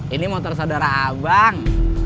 ini motor saudara abang